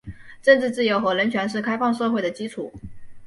政治自由和人权是开放社会的基础。